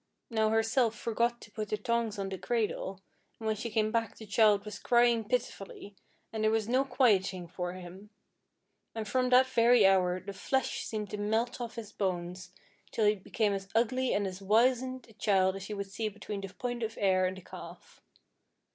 Now Herself forgot to put the tongs on the cradle, and when she came back the child was crying pitifully, and there was no quieting for him. And from that very hour the flesh seemed to melt off his bones till he became as ugly and as wizened a child as you would see between the Point of Ayr and the Calf.